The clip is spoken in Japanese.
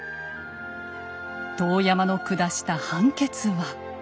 遠山の下した判決は。